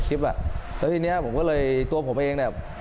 เลยตัวผมเอง